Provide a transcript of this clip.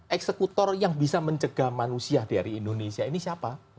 eksekutor yang bisa mencegah manusia dari indonesia ini siapa